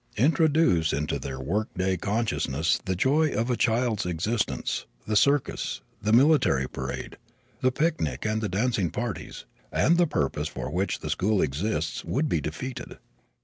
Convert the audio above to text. Introduce into their work day consciousness the joys of a child's existence, the circus, the military parade, the picnic and the dancing parties, and the purpose for which the school exists would be defeated.